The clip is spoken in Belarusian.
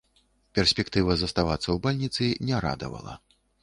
Перспектыва заставацца ў бальніцы не радавала.